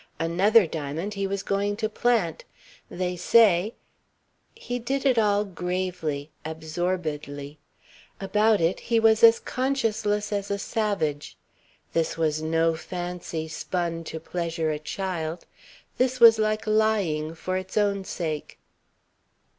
Another diamond he was going to plant. They say He did it all gravely, absorbedly. About it he was as conscienceless as a savage. This was no fancy spun to pleasure a child. This was like lying, for its own sake.